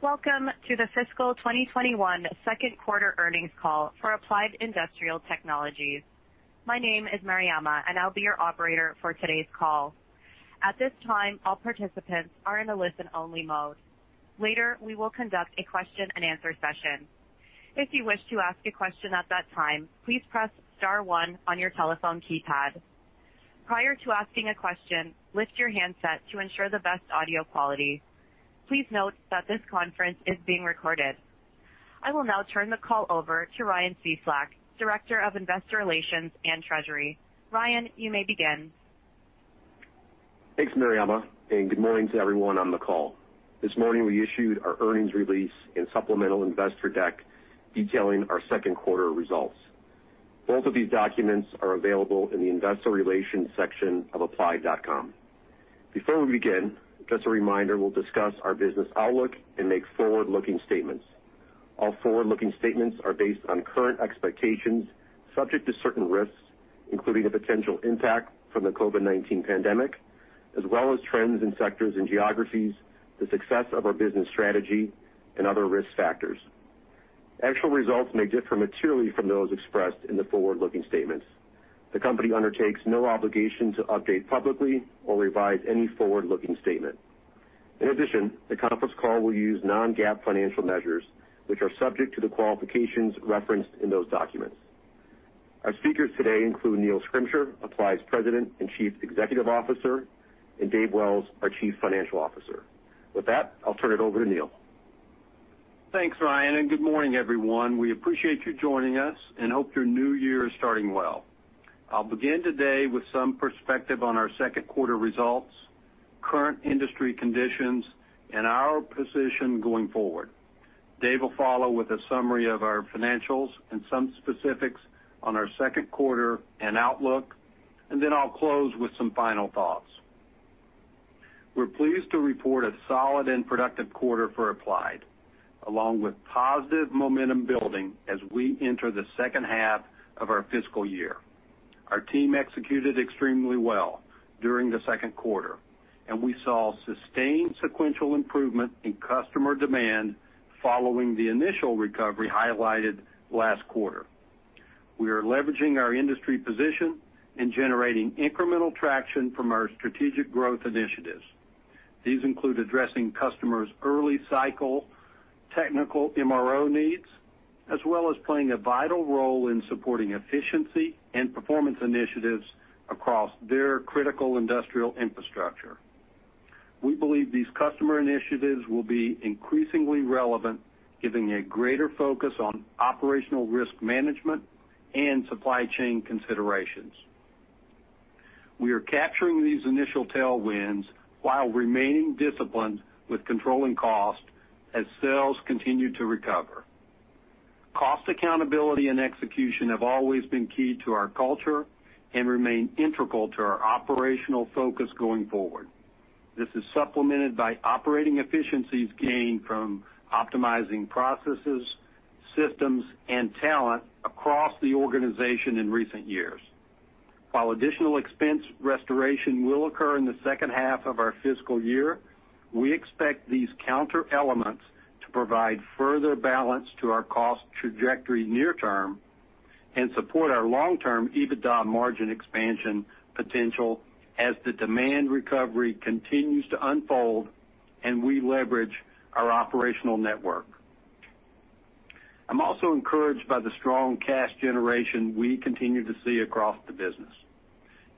Welcome to the fiscal 2021 second quarter earnings call for Applied Industrial Technologies. My name is Mariama, and I'll be your operator for today's call. At this time, all participants are in a listen-only mode. Later, we will conduct a question and answer session. If you wish to ask a question at that time, please press star one on your telephone keypad. Prior to asking a question, lift your handset to ensure the best audio quality. Please note that this conference is being recorded. I will now turn the call over to Ryan Cieslak, Director of Investor Relations and Treasury. Ryan, you may begin. Thanks, Mariama, good morning to everyone on the call. This morning, we issued our earnings release and supplemental investor deck detailing our second quarter results. Both of these documents are available in the investor relations section of applied.com. Before we begin, just a reminder, we'll discuss our business outlook and make forward-looking statements. All forward-looking statements are based on current expectations, subject to certain risks, including the potential impact from the COVID-19 pandemic, as well as trends in sectors and geographies, the success of our business strategy, and other risk factors. Actual results may differ materially from those expressed in the forward-looking statements. The company undertakes no obligation to update publicly or revise any forward-looking statement. In addition, the conference call will use non-GAAP financial measures, which are subject to the qualifications referenced in those documents. Our speakers today include Neil Schrimsher, Applied's President and Chief Executive Officer, and Dave Wells, our Chief Financial Officer. With that, I'll turn it over to Neil. Thanks, Ryan, and good morning, everyone. We appreciate you joining us and hope your new year is starting well. I'll begin today with some perspective on our second quarter results, current industry conditions, and our position going forward. Dave will follow with a summary of our financials and some specifics on our second quarter and outlook, and then I'll close with some final thoughts. We're pleased to report a solid and productive quarter for Applied, along with positive momentum building as we enter the second half of our fiscal year. Our team executed extremely well during the second quarter, and we saw sustained sequential improvement in customer demand following the initial recovery highlighted last quarter. We are leveraging our industry position and generating incremental traction from our strategic growth initiatives. These include addressing customers' early cycle technical MRO needs, as well as playing a vital role in supporting efficiency and performance initiatives across their critical industrial infrastructure. We believe these customer initiatives will be increasingly relevant, giving a greater focus on operational risk management and supply chain considerations. We are capturing these initial tailwinds while remaining disciplined with controlling cost as sales continue to recover. Cost accountability and execution have always been key to our culture and remain integral to our operational focus going forward. This is supplemented by operating efficiencies gained from optimizing processes, systems, and talent across the organization in recent years. While additional expense restoration will occur in the second half of our fiscal year, we expect these counter elements to provide further balance to our cost trajectory near term and support our long-term EBITDA margin expansion potential as the demand recovery continues to unfold and we leverage our operational network. I'm also encouraged by the strong cash generation we continue to see across the business.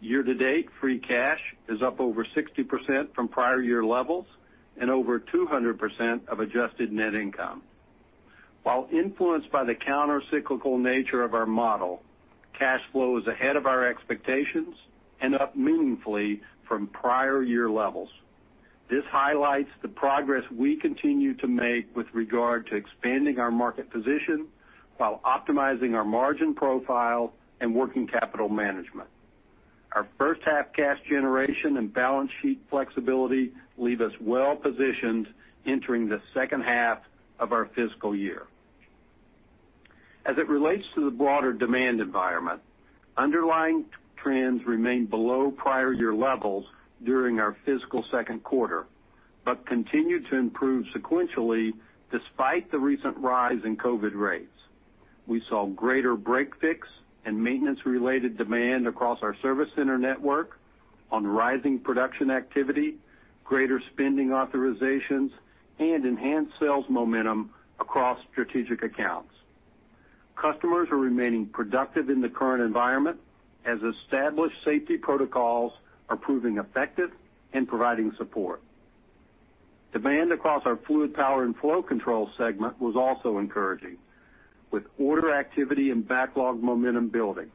Year to date, free cash is up over 60% from prior year levels and over 200% of adjusted net income. While influenced by the counter-cyclical nature of our model, cash flow is ahead of our expectations and up meaningfully from prior year levels. This highlights the progress we continue to make with regard to expanding our market position while optimizing our margin profile and working capital management. Our first half cash generation and balance sheet flexibility leave us well-positioned entering the second half of our fiscal year. As it relates to the broader demand environment, underlying trends remained below prior year levels during our fiscal second quarter, but continued to improve sequentially despite the recent rise in COVID rates. We saw greater break-fix and maintenance-related demand across our service center network on rising production activity, greater spending authorizations, and enhanced sales momentum across strategic accounts. Customers are remaining productive in the current environment as established safety protocols are proving effective and providing support. Demand across our Fluid Power & Flow Control segment was also encouraging, with order activity and backlog momentum building.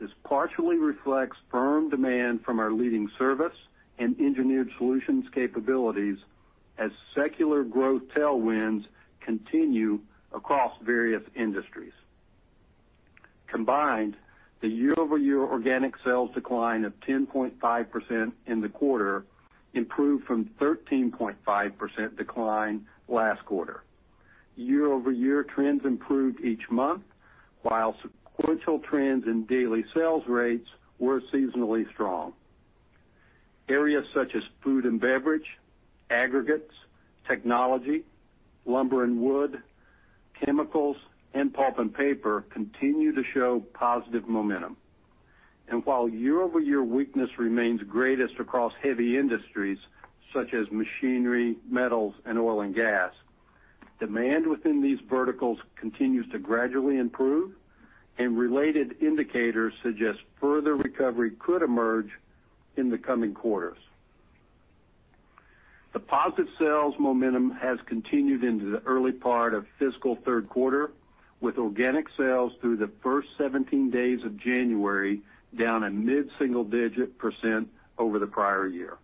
This partially reflects firm demand from our leading service and engineered solutions capabilities as secular growth tailwinds continue across various industries. Combined, the year-over-year organic sales decline of 10.5% in the quarter improved from 13.5% decline last quarter. Year-over-year trends improved each month, while sequential trends in daily sales rates were seasonally strong. Areas such as food and beverage, aggregates, technology, lumber and wood, chemicals, and pulp and paper continue to show positive momentum. While year-over-year weakness remains greatest across heavy industries such as machinery, metals, and oil and gas, demand within these verticals continues to gradually improve, and related indicators suggest further recovery could emerge in the coming quarters. The positive sales momentum has continued into the early part of fiscal third quarter, with organic sales through the first 17 days of January down a mid-single-digit percent over the prior year.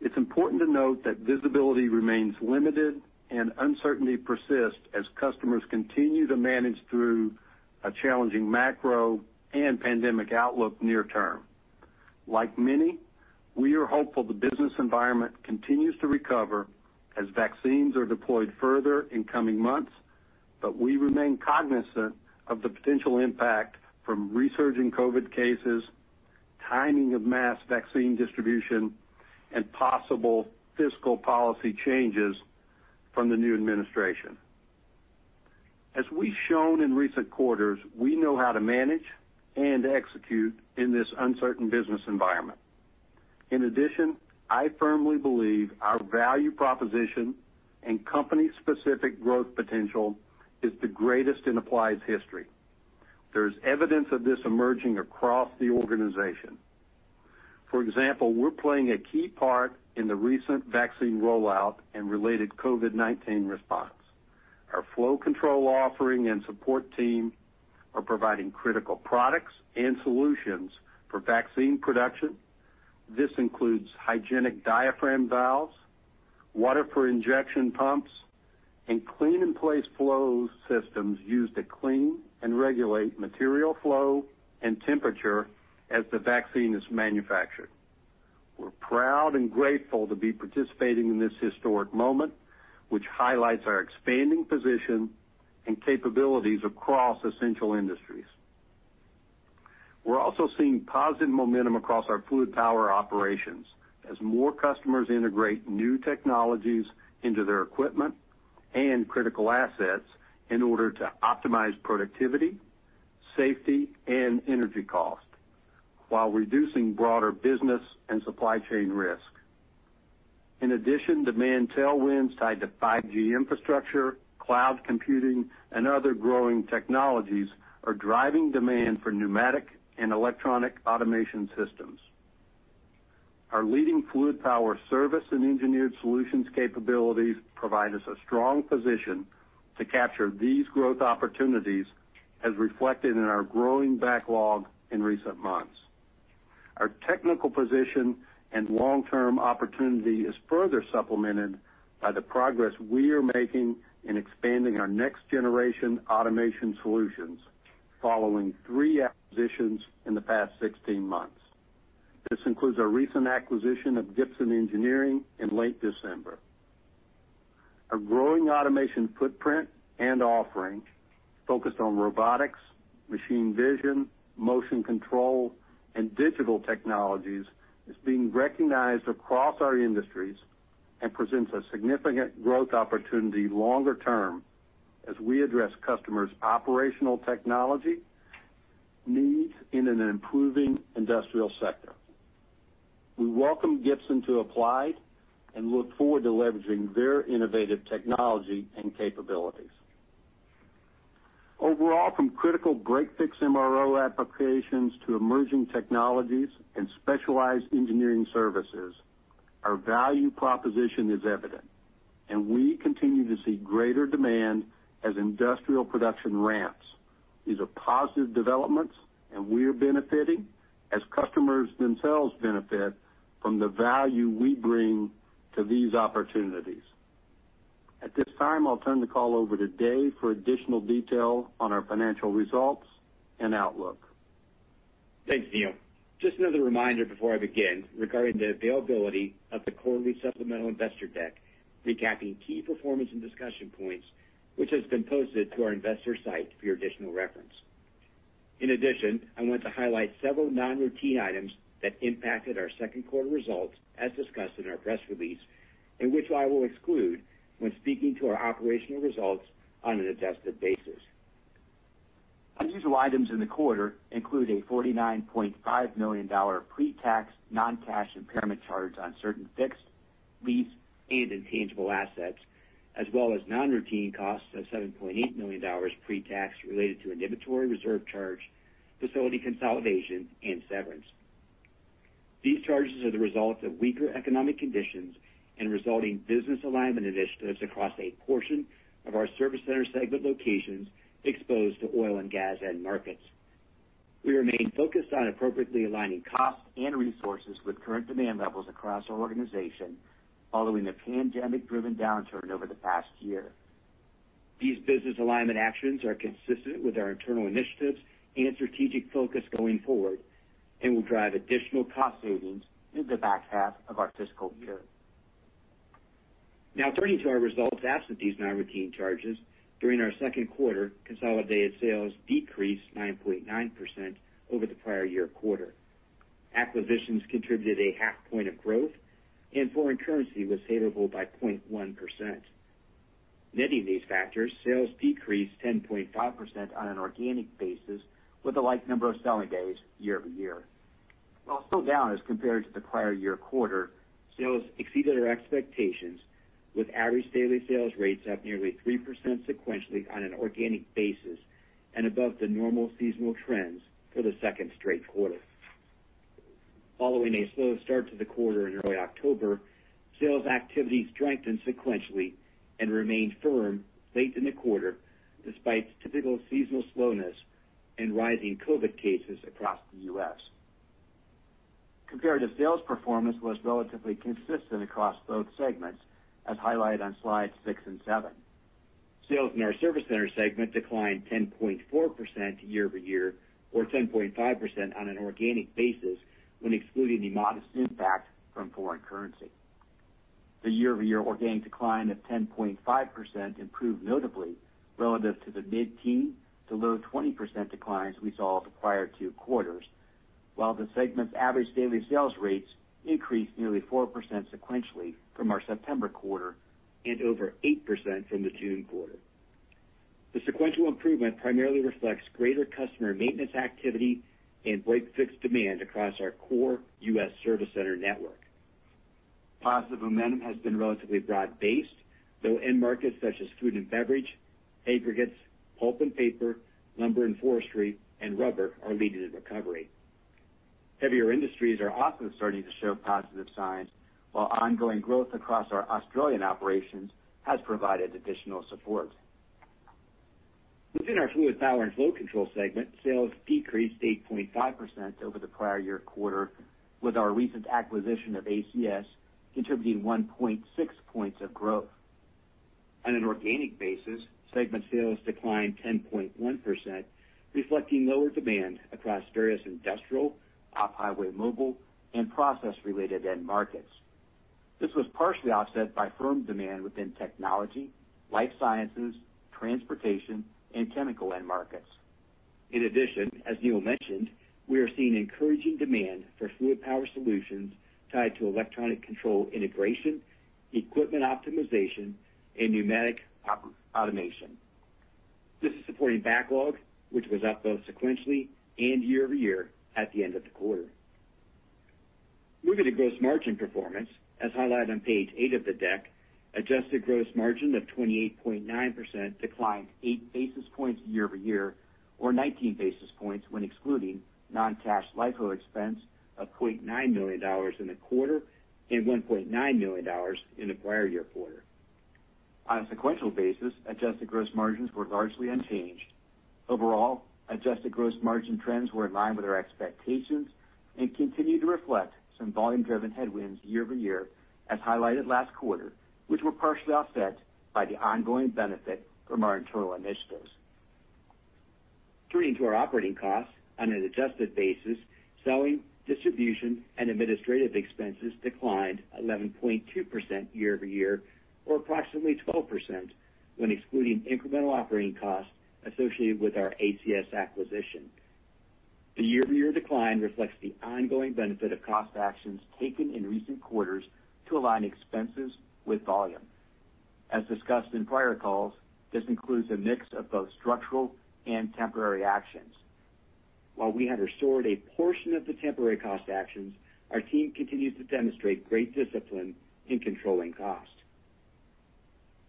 It's important to note that visibility remains limited and uncertainty persists as customers continue to manage through a challenging macro and pandemic outlook near term. Like many, we are hopeful the business environment continues to recover as vaccines are deployed further in coming months, but we remain cognizant of the potential impact from resurging COVID cases, timing of mass vaccine distribution, and possible fiscal policy changes from the new administration. As we've shown in recent quarters, we know how to manage and execute in this uncertain business environment. In addition, I firmly believe our value proposition and company-specific growth potential is the greatest in Applied's history. There is evidence of this emerging across the organization. For example, we're playing a key part in the recent vaccine rollout and related COVID-19 response. Our flow control offering and support team are providing critical products and solutions for vaccine production. This includes hygienic diaphragm valves, water for injection pumps, and clean-in-place flow systems used to clean and regulate material flow and temperature as the vaccine is manufactured. We're proud and grateful to be participating in this historic moment, which highlights our expanding position and capabilities across essential industries. We're also seeing positive momentum across our fluid power operations as more customers integrate new technologies into their equipment and critical assets in order to optimize productivity, safety, and energy cost while reducing broader business and supply chain risk. In addition, demand tailwinds tied to 5G infrastructure, cloud computing, and other growing technologies are driving demand for pneumatic and electronic automation systems. Our leading fluid power service and engineered solutions capabilities provide us a strong position to capture these growth opportunities, as reflected in our growing backlog in recent months. Our technical position and long-term opportunity is further supplemented by the progress we are making in expanding our next-generation automation solutions following three acquisitions in the past 16 months. This includes our recent acquisition of Gibson Engineering in late December. Our growing automation footprint and offering, focused on robotics, machine vision, motion control, and digital technologies, is being recognized across our industries and presents a significant growth opportunity longer term as we address customers' operational technology needs in an improving industrial sector. We welcome Gibson to Applied and look forward to leveraging their innovative technology and capabilities. Overall, from critical break-fix MRO applications to emerging technologies and specialized engineering services, our value proposition is evident, and we continue to see greater demand as industrial production ramps. These are positive developments, and we are benefiting as customers themselves benefit from the value we bring to these opportunities. At this time, I'll turn the call over to Dave for additional detail on our financial results and outlook. Thanks Neil. Another reminder before I begin regarding the availability of the quarterly supplemental investor deck recapping key performance and discussion points, which has been posted to our investor site for your additional reference. In addition, I want to highlight several non-routine items that impacted our second quarter results as discussed in our press release, and which I will exclude when speaking to our operational results on an adjusted basis. Unusual items in the quarter include a $49.5 million pre-tax non-cash impairment charge on certain fixed, leased, and intangible assets, as well as non-routine costs of $7.8 million pre-tax related to an inventory reserve charge, facility consolidation, and severance. These charges are the result of weaker economic conditions and resulting business alignment initiatives across a portion of our Service Center segment locations exposed to oil and gas end markets. We remain focused on appropriately aligning costs and resources with current demand levels across our organization following the pandemic-driven downturn over the past year. These business alignment actions are consistent with our internal initiatives and strategic focus going forward and will drive additional cost savings in the back half of our fiscal year. Turning to our results absent these non-routine charges. During our second quarter, consolidated sales decreased 9.9% over the prior year quarter. Acquisitions contributed a half point of growth, and foreign currency was favorable by 0.1%. Netting these factors, sales decreased 10.5% on an organic basis with a like number of selling days year-over-year. While still down as compared to the prior year quarter, sales exceeded our expectations with average daily sales rates up nearly 3% sequentially on an organic basis and above the normal seasonal trends for the second straight quarter. Following a slow start to the quarter in early October, sales activity strengthened sequentially and remained firm late in the quarter despite typical seasonal slowness and rising COVID cases across the U.S. Comparative sales performance was relatively consistent across both segments, as highlighted on slides six and seven. Sales in our Service Center segment declined 10.4% year-over-year or 10.5% on an organic basis when excluding the modest impact from foreign currency. The year-over-year organic decline of 10.5% improved notably relative to the mid-teen to low 20% declines we saw the prior two quarters, while the segment's average daily sales rates increased nearly 4% sequentially from our September quarter and over 8% from the June quarter. The sequential improvement primarily reflects greater customer maintenance activity and break-fix demand across our core U.S. Service Center network. Positive momentum has been relatively broad-based, though end markets such as food and beverage, aggregates, pulp and paper, lumber and forestry, and rubber are leading the recovery. Heavier industries are also starting to show positive signs, while ongoing growth across our Australian operations has provided additional support. Within our Fluid Power & Flow Control segment, sales decreased 8.5% over the prior-year quarter, with our recent acquisition of ACS contributing 1.6 points of growth. On an organic basis, segment sales declined 10.1%, reflecting lower demand across various industrial, off-highway mobile, and process-related end markets. This was partially offset by firm demand within technology, life sciences, transportation, and chemical end markets. In addition, as Neil mentioned, we are seeing encouraging demand for fluid power solutions tied to electronic control integration, equipment optimization, and pneumatic automation. This is supporting backlog, which was up both sequentially and year-over-year at the end of the quarter. Moving to gross margin performance, as highlighted on page eight of the deck, adjusted gross margin of 28.9% declined 8 basis points year-over-year, or 19 basis points when excluding non-cash LIFO expense of [$2.9] million in the quarter and $1.9 million in the prior year quarter. On a sequential basis, adjusted gross margins were largely unchanged. Overall, adjusted gross margin trends were in line with our expectations and continue to reflect some volume-driven headwinds year-over-year, as highlighted last quarter, which were partially offset by the ongoing benefit from our internal initiatives. Turning to our operating costs. On an adjusted basis, selling, distribution, and administrative expenses declined 11.2% year-over-year, or approximately 12% when excluding incremental operating costs associated with our ACS acquisition. The year-over-year decline reflects the ongoing benefit of cost actions taken in recent quarters to align expenses with volume. As discussed in prior calls, this includes a mix of both structural and temporary actions. While we have restored a portion of the temporary cost actions, our team continues to demonstrate great discipline in controlling cost.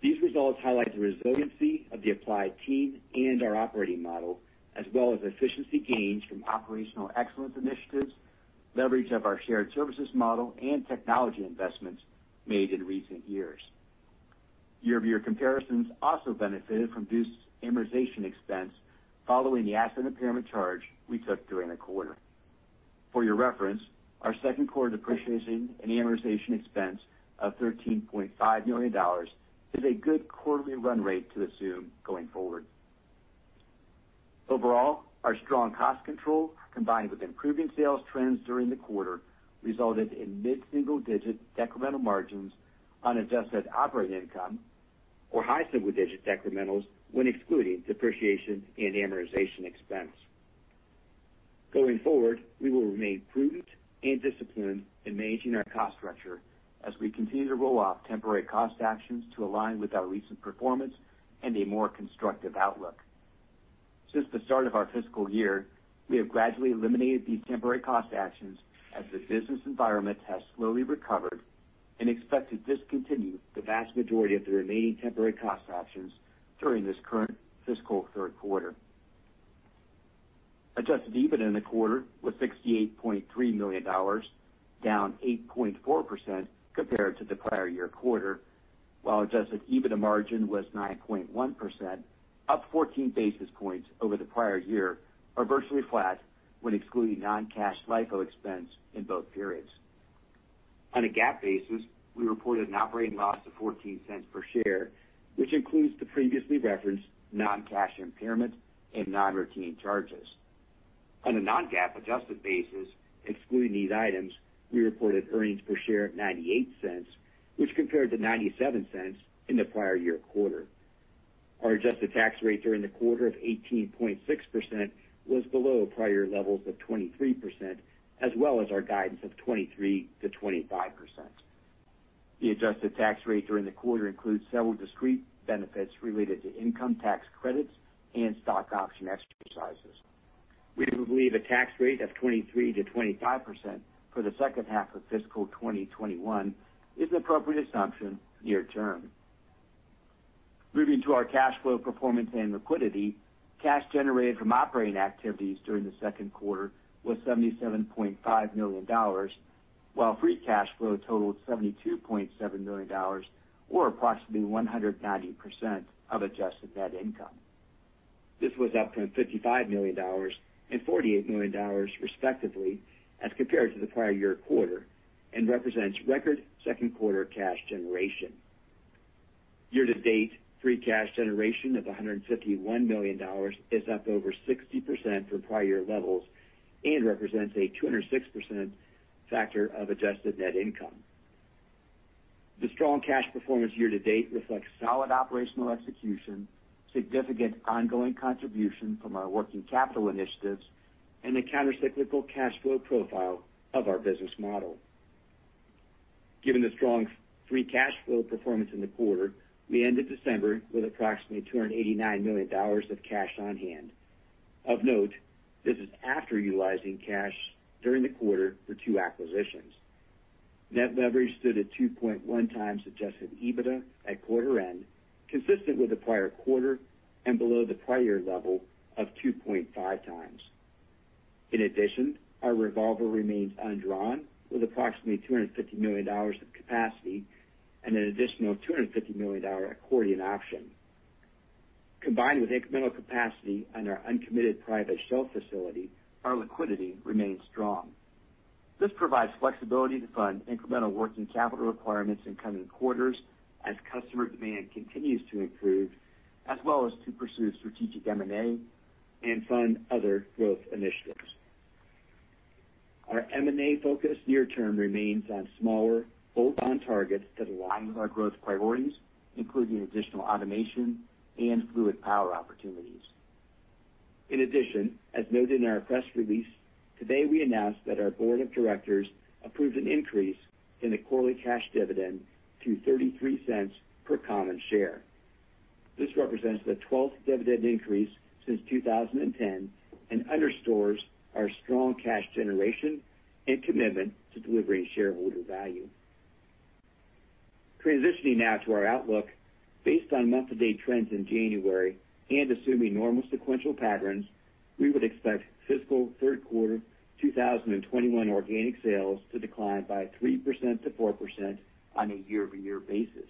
These results highlight the resiliency of the Applied team and our operating model, as well as efficiency gains from operational excellence initiatives, leverage of our shared services model, and technology investments made in recent years. Year-over-year comparisons also benefited from this amortization expense following the asset impairment charge we took during the quarter. For your reference, our second quarter depreciation and amortization expense of $13.5 million is a good quarterly run rate to assume going forward. Overall, our strong cost control combined with improving sales trends during the quarter resulted in mid-single-digit decremental margins on adjusted operating income or high single-digit decrementals when excluding depreciation and amortization expense. Going forward, we will remain prudent and disciplined in managing our cost structure as we continue to roll off temporary cost actions to align with our recent performance and a more constructive outlook. Since the start of our fiscal year, we have gradually eliminated these temporary cost actions as the business environment has slowly recovered and expect to discontinue the vast majority of the remaining temporary cost actions during this current fiscal third quarter. Adjusted EBITDA in the quarter was $68.3 million, down 8.4% compared to the prior year quarter, while Adjusted EBITDA margin was 9.1%, up 14 basis points over the prior year, or virtually flat when excluding non-cash LIFO expense in both periods. On a GAAP basis, we reported an operating loss of $0.14 per share, which includes the previously referenced non-cash impairment and non-routine charges. On a non-GAAP adjusted basis, excluding these items, we reported earnings per share of $0.98, which compared to $0.97 in the prior year quarter. Our adjusted tax rate during the quarter of 18.6% was below prior levels of 23%, as well as our guidance of 23%-25%. The adjusted tax rate during the quarter includes several discrete benefits related to income tax credits and stock option exercises. We believe a tax rate of 23%-25% for the second half of fiscal 2021 is an appropriate assumption near term. Moving to our cash flow performance and liquidity, cash generated from operating activities during the second quarter was $77.5 million, while free cash flow totaled $72.7 million, or approximately 190% of adjusted net income. This was up from $55 million and $48 million respectively, as compared to the prior year quarter, and represents record second quarter cash generation. Year to date, free cash generation of $151 million is up over 60% from prior year levels and represents a 206% factor of adjusted net income. The strong cash performance year to date reflects solid operational execution, significant ongoing contribution from our working capital initiatives, and the countercyclical cash flow profile of our business model. Given the strong free cash flow performance in the quarter, we ended December with approximately $289 million of cash on hand. Of note, this is after utilizing cash during the quarter for two acquisitions. Net leverage stood at 2.1 times adjusted EBITDA at quarter end, consistent with the prior quarter and below the prior year level of 2.5 times. In addition, our revolver remains undrawn with approximately $250 million of capacity and an additional $250 million accordion option. Combined with incremental capacity on our uncommitted private shelf facility, our liquidity remains strong. This provides flexibility to fund incremental working capital requirements in coming quarters as customer demand continues to improve, as well as to pursue strategic M&A and fund other growth initiatives. Our M&A focus near term remains on smaller bolt-on targets that align with our growth priorities, including additional automation and fluid power opportunities. In addition, as noted in our press release, today we announced that our board of directors approved an increase in the quarterly cash dividend to $0.33 per common share. This represents the 12th dividend increase since 2010 and underscores our strong cash generation and commitment to delivering shareholder value. Transitioning now to our outlook. Based on month-to-date trends in January and assuming normal sequential patterns, we would expect fiscal third quarter 2021 organic sales to decline by 3%-4% on a year-over-year basis.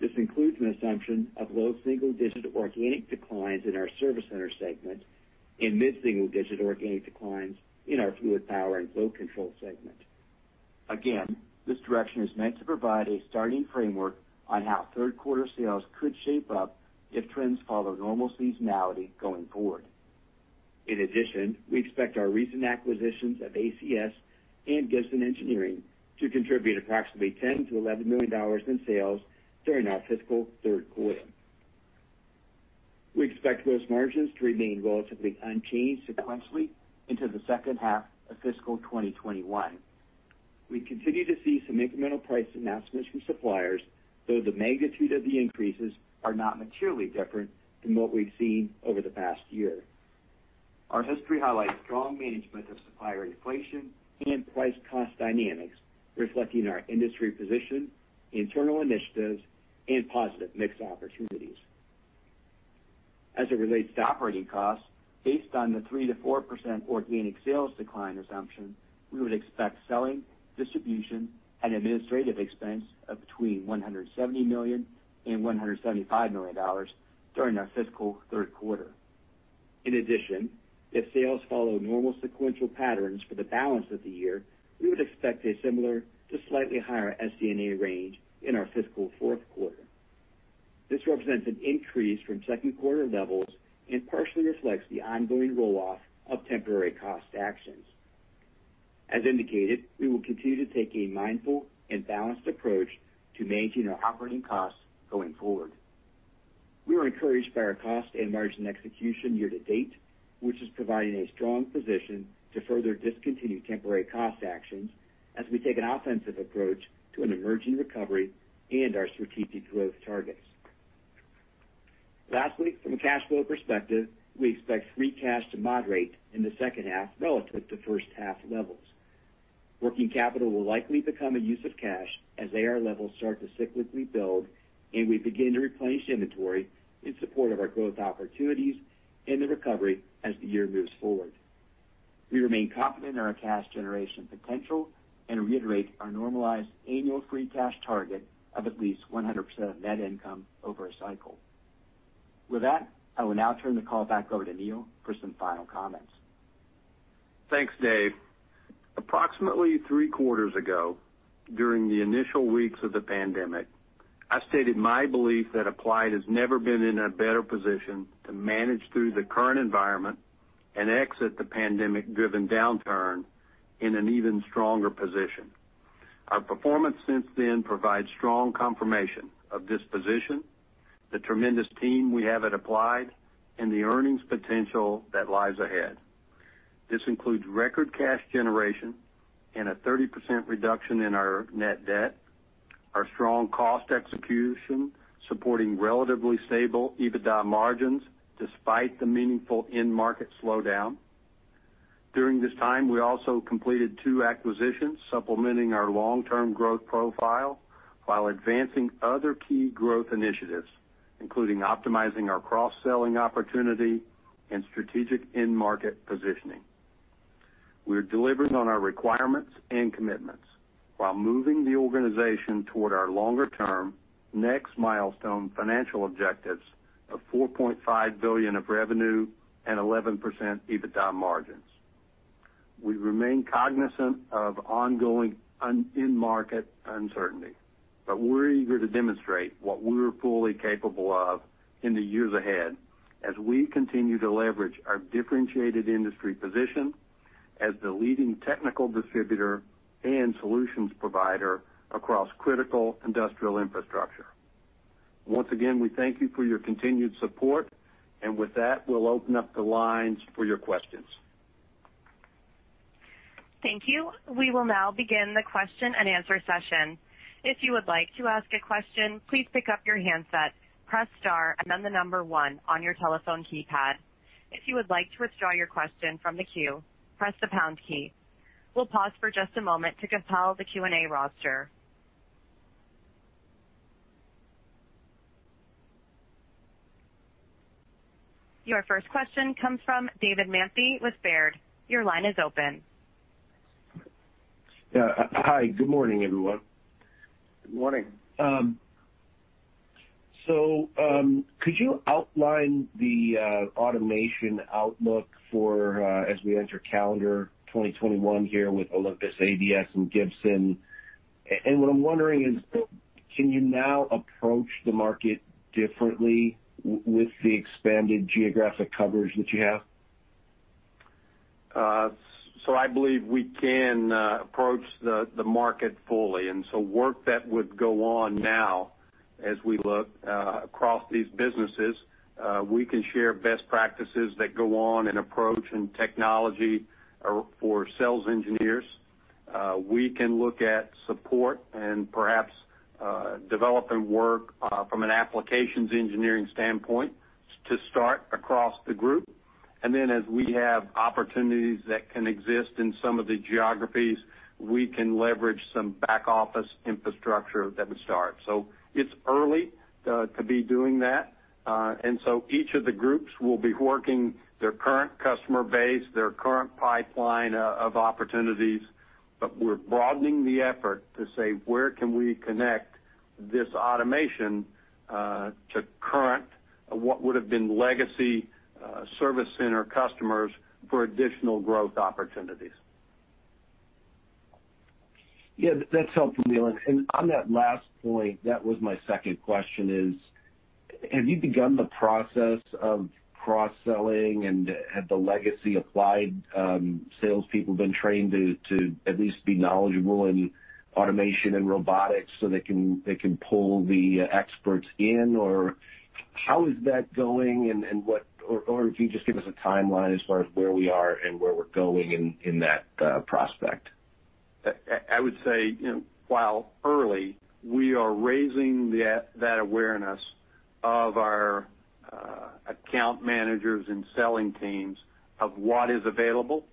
This includes an assumption of low single-digit organic declines in our Service Center segment and mid-single digit organic declines in our Fluid Power & Flow Control segment. This direction is meant to provide a starting framework on how third quarter sales could shape up if trends follow normal seasonality going forward. In addition, we expect our recent acquisitions of ACS and Gibson Engineering to contribute approximately $10 million-$11 million in sales during our fiscal third quarter. We expect gross margins to remain relatively unchanged sequentially into the second half of fiscal 2021. We continue to see some incremental price announcements from suppliers, though the magnitude of the increases are not materially different from what we've seen over the past year. Our history highlights strong management of supplier inflation and price cost dynamics, reflecting our industry position, internal initiatives, and positive mix opportunities. As it relates to operating costs, based on the 3%-4% organic sales decline assumption, we would expect selling, distribution, and administrative expense of between $170 million and $175 million during our fiscal third quarter. In addition, if sales follow normal sequential patterns for the balance of the year, we would expect a similar to slightly higher SD&A range in our fiscal fourth quarter. This represents an increase from second quarter levels and partially reflects the ongoing roll-off of temporary cost actions. As indicated, we will continue to take a mindful and balanced approach to managing our operating costs going forward. We are encouraged by our cost and margin execution year to date, which is providing a strong position to further discontinue temporary cost actions as we take an offensive approach to an emerging recovery and our strategic growth targets. Lastly, from a cash flow perspective, we expect free cash to moderate in the second half relative to first half levels. Working capital will likely become a use of cash as AR levels start to cyclically build, and we begin to replenish inventory in support of our growth opportunities and the recovery as the year moves forward. We remain confident in our cash generation potential and reiterate our normalized annual free cash target of at least 100% of net income over a cycle. With that, I will now turn the call back over to Neil for some final comments. Thanks, Dave. Approximately three quarters ago, during the initial weeks of the pandemic, I stated my belief that Applied has never been in a better position to manage through the current environment and exit the pandemic-driven downturn in an even stronger position. Our performance since then provides strong confirmation of this position, the tremendous team we have at Applied, and the earnings potential that lies ahead. This includes record cash generation and a 30% reduction in our net debt, our strong cost execution supporting relatively stable EBITDA margins despite the meaningful end market slowdown. During this time, we also completed two acquisitions supplementing our long-term growth profile while advancing other key growth initiatives, including optimizing our cross-selling opportunity and strategic end market positioning. We're delivering on our requirements and commitments while moving the organization toward our longer-term next milestone financial objectives of $4.5 billion of revenue and 11% EBITDA margins. We remain cognizant of ongoing end market uncertainty, but we're eager to demonstrate what we're fully capable of in the years ahead as we continue to leverage our differentiated industry position as the leading technical distributor and solutions provider across critical industrial infrastructure. Once again, we thank you for your continued support. With that, we'll open up the lines for your questions. Thank you. We will now begin the question-and-answer session. If you would like to ask a question, please pick up your handset, press star, and then the number one on your telephone keypad. If you would like to withdraw your question from the queue, press the pound key. We'll pause for just a moment to compile the Q&A roster. Your first question comes from David Manthey with Baird. Your line is open. Yeah. Hi, good morning, everyone. Good morning. Could you outline the automation outlook as we enter calendar 2021 here with Olympus, ACS, and Gibson? What I'm wondering is, can you now approach the market differently with the expanded geographic coverage that you have? I believe we can approach the market fully. Work that would go on now as we look across these businesses, we can share best practices that go on in approach and technology for sales engineers. We can look at support and perhaps development work from an applications engineering standpoint to start across the group. As we have opportunities that can exist in some of the geographies, we can leverage some back-office infrastructure that would start. It's early to be doing that. Each of the groups will be working their current customer base, their current pipeline of opportunities. We're broadening the effort to say, where can we connect this automation to current, what would've been legacy Service Center customers for additional growth opportunities. Yeah, that's helpful, Neil. On that last point, that was my second question is, have you begun the process of cross-selling, and have the legacy Applied salespeople been trained to at least be knowledgeable in automation and robotics so they can pull the experts in? How is that going, or if you can just give us a timeline as far as where we are and where we're going in that prospect? I would say, while early, we are raising that awareness of our account managers and selling teams of what is available.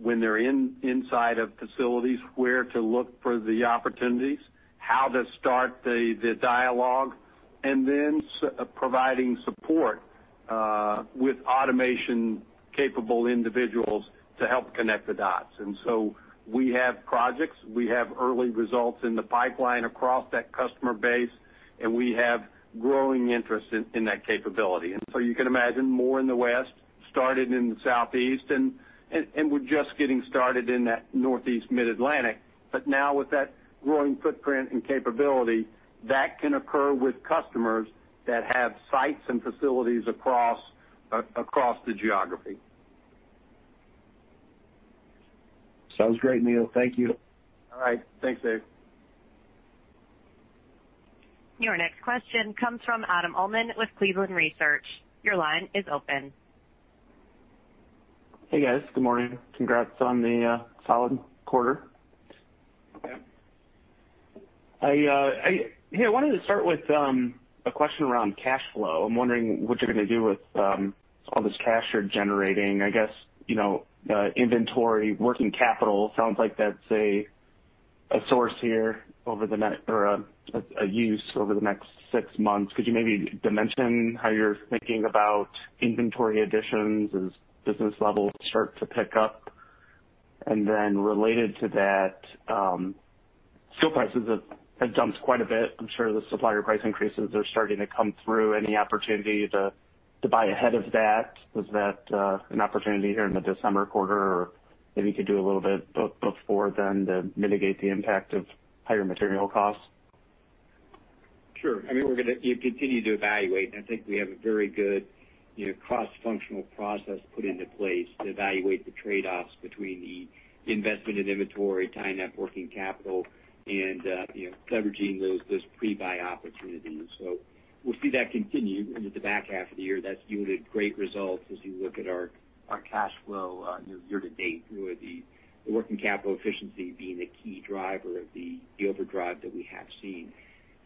When they're inside of facilities, where to look for the opportunities, how to start the dialogue, and then providing support with automation-capable individuals to help connect the dots. We have projects, we have early results in the pipeline across that customer base, and we have growing interest in that capability. You can imagine more in the West, started in the Southeast, and we're just getting started in that Northeast Mid-Atlantic. Now with that growing footprint and capability, that can occur with customers that have sites and facilities across the geography. Sounds great, Neil. Thank you. All right. Thanks, Dave. Your next question comes from Adam Uhlman with Cleveland Research. Your line is open. Hey, guys. Good morning. Congrats on the solid quarter. Okay. I wanted to start with a question around cash flow. I'm wondering what you're going to do with all this cash you're generating. I guess, inventory, working capital, sounds like that's a source here or a use over the next six months. Could you maybe dimension how you're thinking about inventory additions as business levels start to pick up? Related to that. Steel prices have jumped quite a bit. I'm sure the supplier price increases are starting to come through. Any opportunity to buy ahead of that? Was that an opportunity here in the December quarter? Maybe could do a little bit before then to mitigate the impact of higher material costs? Sure. We're going to continue to evaluate. I think we have a very good cross-functional process put into place to evaluate the trade-offs between the investment in inventory, tying up working capital, and leveraging those pre-buy opportunities. We'll see that continue into the back half of the year. That's yielded great results as you look at our cash flow year-to-date, with the working capital efficiency being a key driver of the overdrive that we have seen.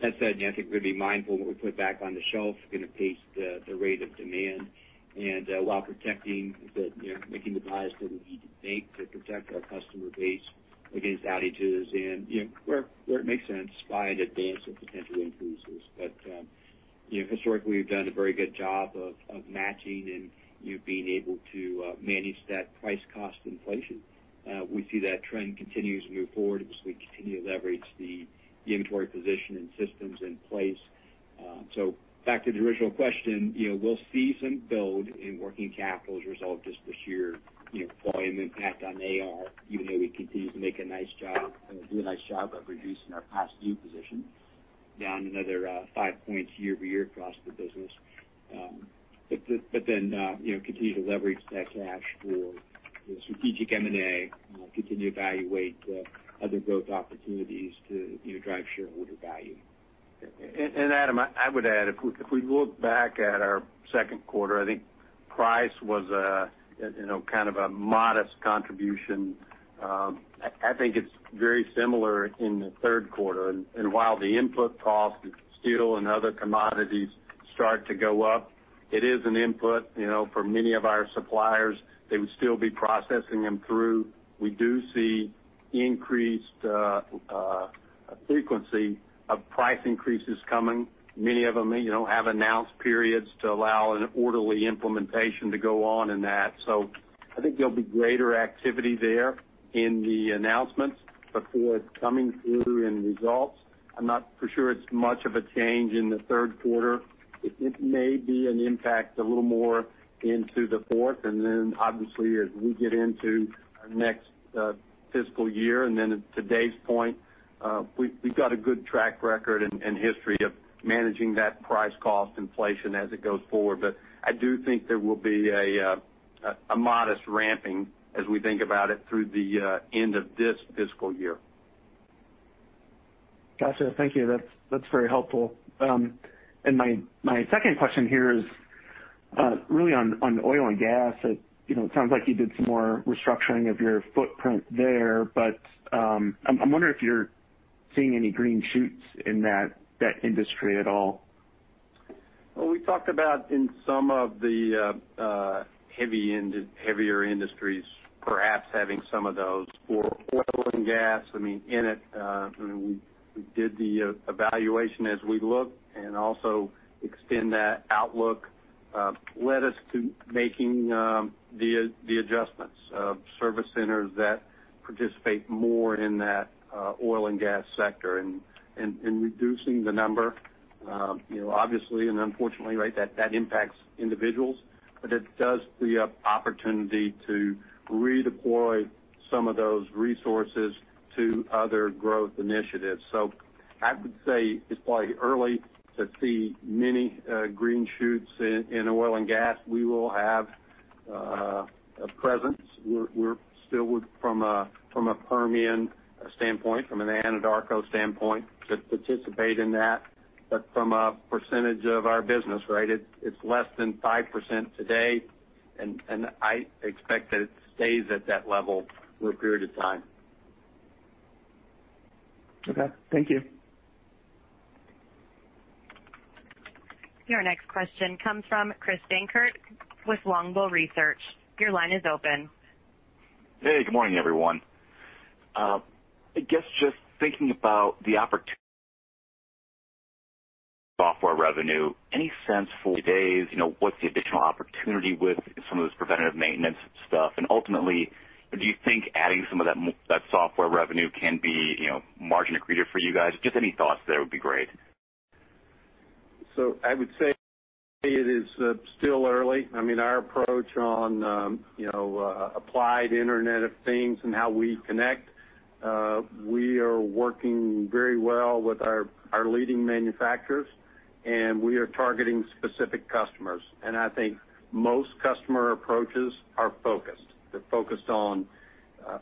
That said, I think we're going to be mindful of what we put back on the shelf, going to pace the rate of demand, and while protecting, making the buys that we need to make to protect our customer base against outages and, where it makes sense, buying advance of potential increases. Historically, we've done a very good job of matching and being able to manage that price cost inflation. We see that trend continue as we move forward, and as we continue to leverage the inventory position and systems in place. Back to the original question, we'll see some build in working capital as a result of just the sheer volume impact on AR, even though we continue to do a nice job of reducing our past due position, down another five points year-over-year across the business. Then continue to leverage that cash for strategic M&A, continue to evaluate other growth opportunities to drive shareholder value. Adam, I would add, if we look back at our second quarter, I think price was kind of a modest contribution. I think it's very similar in the third quarter. While the input costs of steel and other commodities start to go up, it is an input. For many of our suppliers, they would still be processing them through. We do see increased frequency of price increases coming. Many of them have announced periods to allow an orderly implementation to go on in that. I think there'll be greater activity there in the announcements before it's coming through in results. I'm not for sure it's much of a change in the third quarter. It may be an impact a little more into the fourth, and then obviously as we get into our next fiscal year. Then to Dave's point, we've got a good track record and history of managing that price cost inflation as it goes forward. I do think there will be a modest ramping as we think about it through the end of this fiscal year. Got you. Thank you. That's very helpful. My second question here is really on oil and gas. It sounds like you did some more restructuring of your footprint there, but I'm wondering if you're seeing any green shoots in that industry at all? Well, we talked about in some of the heavier industries, perhaps having some of those. For oil and gas, in it, we did the evaluation as we look and also extend that outlook led us to making the adjustments of service centers that participate more in that oil and gas sector and reducing the number. Obviously and unfortunately, that impacts individuals, but it does free up opportunity to redeploy some of those resources to other growth initiatives. I would say it's probably early to see many green shoots in oil and gas. We will have a presence. We're still, from a Permian standpoint, from an Anadarko standpoint, to participate in that. From a percentage of our business, it's less than 5% today, and I expect that it stays at that level for a period of time. Okay. Thank you. Your next question comes from Chris Dankert with Longbow Research. Your line is open. Hey, good morning, everyone. I guess just thinking about the opportunity for software revenue. Any sense for Dave? What's the additional opportunity with some of this preventative maintenance stuff? Ultimately, do you think adding some of that software revenue can be margin accretive for you guys? Just any thoughts there would be great. I would say it is still early. Our approach on Applied Internet of Things and how we connect, we are working very well with our leading manufacturers, and we are targeting specific customers. I think most customer approaches are focused. They're focused on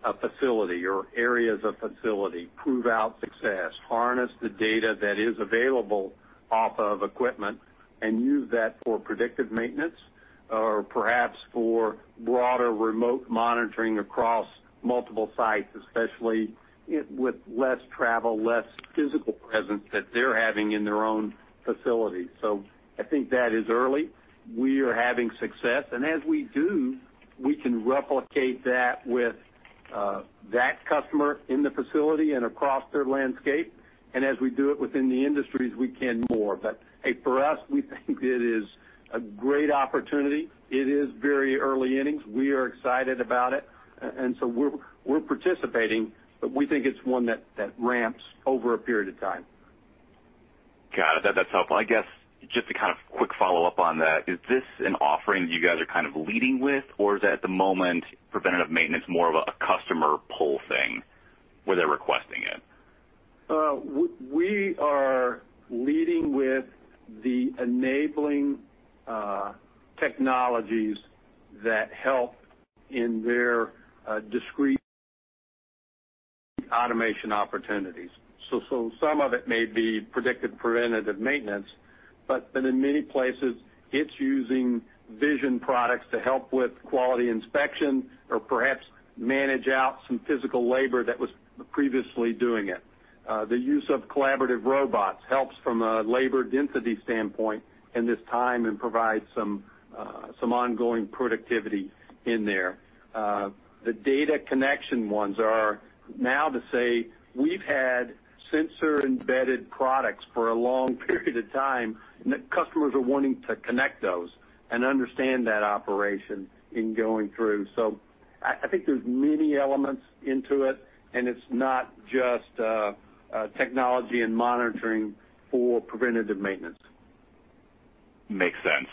a facility or areas of facility, prove out success, harness the data that is available off of equipment, and use that for predictive maintenance or perhaps for broader remote monitoring across multiple sites, especially with less travel, less physical presence that they're having in their own facilities. I think that is early. We are having success, and as we do, we can replicate that with that customer in the facility and across their landscape. As we do it within the industries, we can more. For us, we think it is a great opportunity. It is very early innings. We are excited about it. We're participating, but we think it's one that ramps over a period of time. Got it. That's helpful. I guess, just a kind of quick follow-up on that, is this an offering that you guys are kind of leading with, or is that at the moment, preventative maintenance more of a customer pull thing where they're requesting it? We are leading with the enabling technologies that help in their discrete automation opportunities. Some of it may be predictive preventative maintenance, but in many places, it's using vision products to help with quality inspection or perhaps manage out some physical labor that was previously doing it. The use of collaborative robots helps from a labor density standpoint in this time and provide some ongoing productivity in there. The data connection ones are now to say we've had sensor-embedded products for a long period of time, and that customers are wanting to connect those and understand that operation in going through. I think there's many elements into it, and it's not just technology and monitoring for preventative maintenance. Makes sense.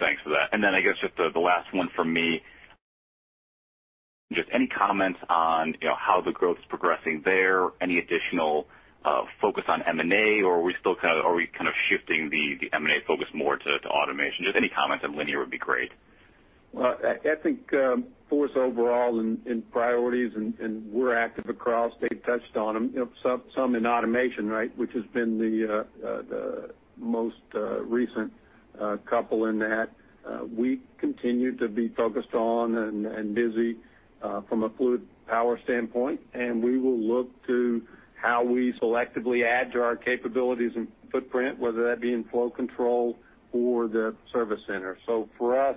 Thanks for that. I guess just the last one from me, just any comments on how the growth is progressing there, any additional focus on M&A, or are we kind of shifting the M&A focus more to automation? Just any comments on linear would be great? I think for us overall in priorities, and we're active across, Dave touched on them, some in automation, which has been the most recent couple in that. We continue to be focused on and busy from a fluid power standpoint, we will look to how we selectively add to our capabilities and footprint, whether that be in flow control or the service center. For us,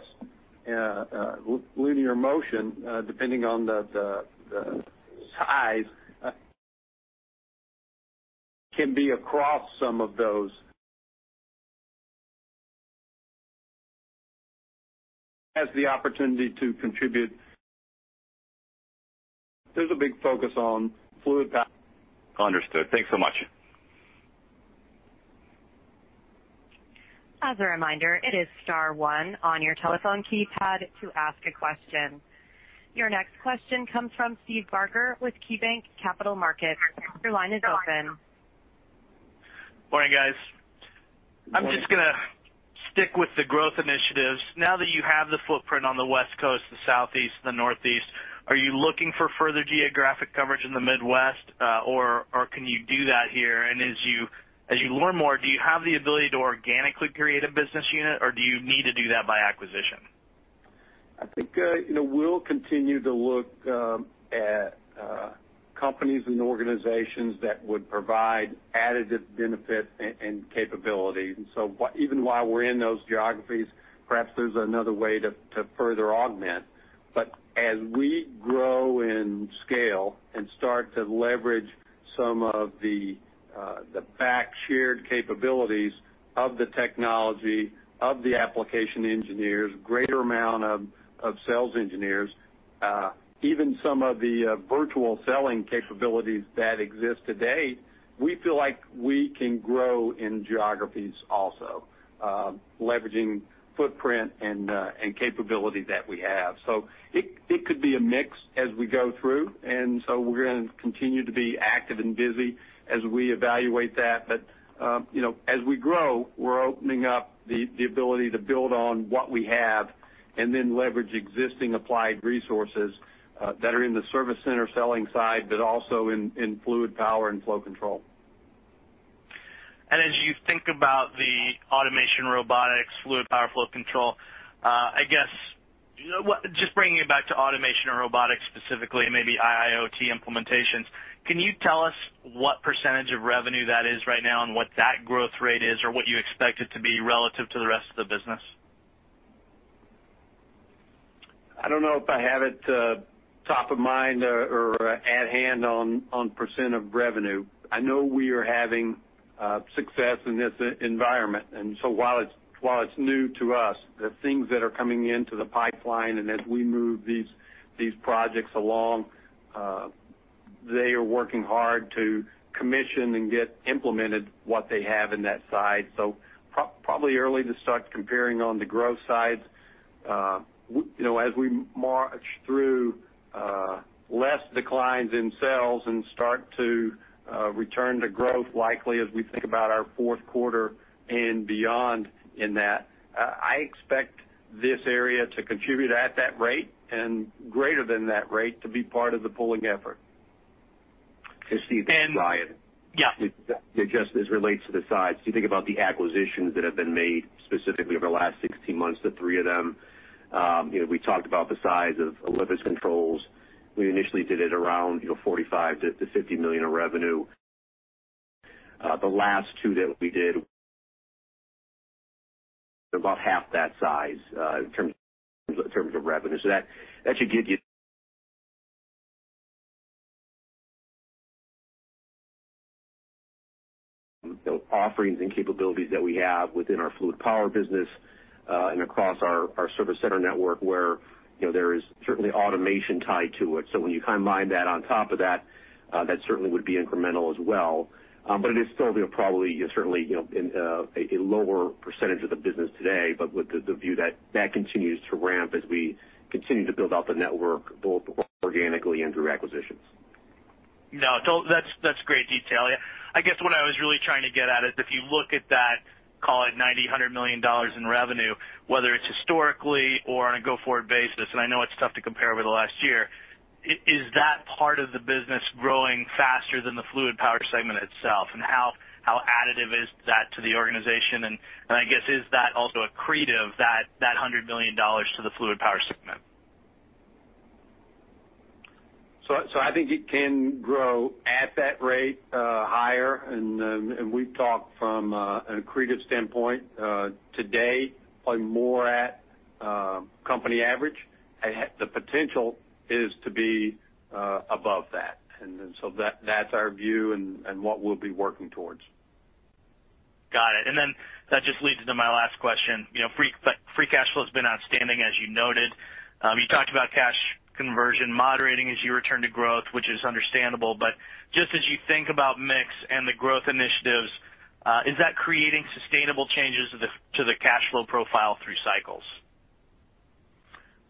linear motion, depending on the size, can be across some of those as the opportunity to contribute. There's a big focus on fluid power. Understood. Thanks so much. As a reminder, it is star one on your telephone keypad to ask a question. Your next question comes from Steve Barger with KeyBanc Capital Markets. Your line is open. Morning, guys. Morning. I'm just going to stick with the growth initiatives. Now that you have the footprint on the West Coast, the Southeast, the Northeast, are you looking for further geographic coverage in the Midwest? Can you do that here? As you learn more, do you have the ability to organically create a business unit, or do you need to do that by acquisition? I think, we'll continue to look at companies and organizations that would provide additive benefit and capabilities. Even while we're in those geographies, perhaps there's another way to further augment. As we grow and scale and start to leverage some of the back shared capabilities of the technology, of the application engineers, greater amount of sales engineers, even some of the virtual selling capabilities that exist today, we feel like we can grow in geographies also, leveraging footprint and capability that we have. It could be a mix as we go through, we're going to continue to be active and busy as we evaluate that. As we grow, we're opening up the ability to build on what we have and then leverage existing Applied resources that are in the Service Center selling side, but also in Fluid Power & Flow Control. As you think about the automation, robotics, fluid power flow control, I guess, just bringing it back to automation and robotics specifically, and maybe IIoT implementations, can you tell us what percentage of revenue that is right now and what that growth rate is or what you expect it to be relative to the rest of the business? I don't know if I have it top of mind or at hand on percent of revenue. I know we are having success in this environment, and so while it's new to us, the things that are coming into the pipeline, and as we move these projects along, they are working hard to commission and get implemented what they have in that side. Probably early to start comparing on the growth sides. As we march through less declines in sales and start to return to growth likely as we think about our fourth quarter and beyond in that, I expect this area to contribute at that rate and greater than that rate to be part of the pulling effort. Hey, Steve, this is Ryan. Yeah. Just as it relates to the size, if you think about the acquisitions that have been made specifically over the last 16 months, the three of them, we talked about the size of Olympus Controls. We initially did it around $45-$50 million of revenue. The last two that we did. About half that size in terms of revenue. Offerings and capabilities that we have within our fluid power business, and across our service center network where there is certainly automation tied to it. When you combine that on top of that certainly would be incremental as well. It is still probably certainly a lower percentage of the business today, but with the view that continues to ramp as we continue to build out the network both organically and through acquisitions. No, that's great detail. I guess what I was really trying to get at is if you look at that, call it $90 million-$100 million in revenue whether it is historically or a go forward basis and I know it is tough to compare with the last year. Is that part of the business growing faster that the fluid power segment itself and how additive is that to the organization and is that also accretive that $100 million to the fluid power segment? I think it can grow at that rate higher. We've talked from an accretive standpoint today, probably more at company average. The potential is to be above that. That's our view and what we'll be working towards. Got it. That just leads into my last question. Free cash flow has been outstanding, as you noted. You talked about cash conversion moderating as you return to growth, which is understandable. Just as you think about mix and the growth initiatives, is that creating sustainable changes to the cash flow profile through cycles?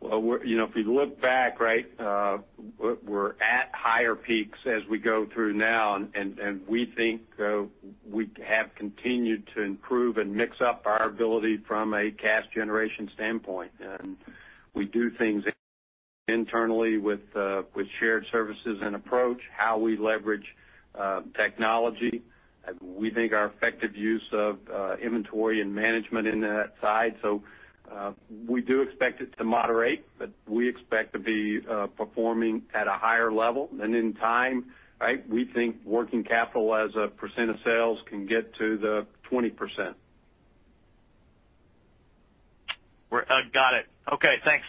If you look back, we're at higher peaks as we go through now, and we think we have continued to improve and mix up our ability from a cash generation standpoint. We do things internally with shared services and approach, how we leverage technology. We think our effective use of inventory and management in that side. We do expect it to moderate, but we expect to be performing at a higher level. In time, we think working capital as a percent of sales can get to the 20%. Got it. Okay, thanks.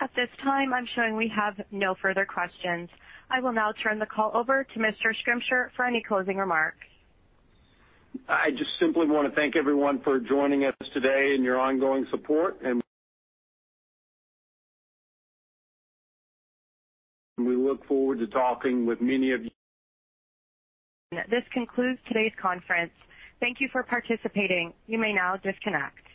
At this time, I'm showing we have no further questions. I will now turn the call over to Mr. Schrimsher for any closing remarks. I just simply want to thank everyone for joining us today and your ongoing support and we look forward to talking with many of you. This concludes today's conference. Thank you for participating. You may now disconnect.